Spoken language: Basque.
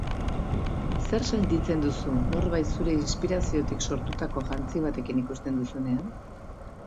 Zer sentitzen duzu norbait zure inspiraziotik sortutako jantzi batekin ikusten duzunean?